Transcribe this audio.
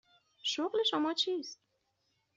شغل شما چیست؟